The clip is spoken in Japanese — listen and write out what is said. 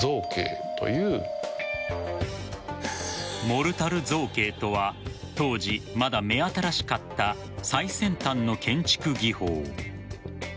モルタル造形とは当時まだ目新しかった最先端の建築技法。